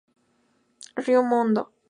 Río Mundo.